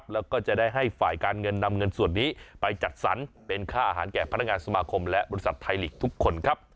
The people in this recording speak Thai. แล้วก็จะได้ให้ฝ่ายการเงินนำเงินส่วนนี้ไปจัดสรรเป็นค่าอาหารแก่พนักงานสมาคมและบริษัทไทยลีกทุกคนครับ